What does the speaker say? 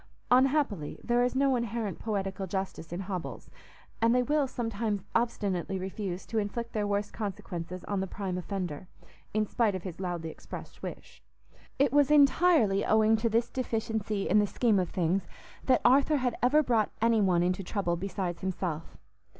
Unhappily, there is no inherent poetical justice in hobbles, and they will sometimes obstinately refuse to inflict their worst consequences on the prime offender, in spite of his loudly expressed wish. It was entirely owing to this deficiency in the scheme of things that Arthur had ever brought any one into trouble besides himself.